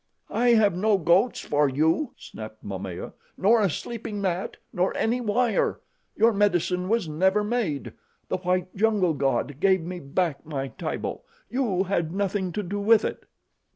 "I have no goats for you," snapped Momaya, "nor a sleeping mat, nor any wire. Your medicine was never made. The white jungle god gave me back my Tibo. You had nothing to do with it."